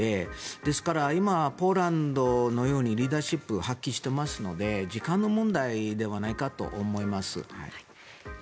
ですから、今ポーランドのようにリーダーシップを発揮していますので時間の問題ではないかと思います。